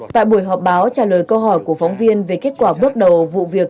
tại buổi họp báo trả lời câu hỏi của phóng viên về kết quả bước đầu vụ việc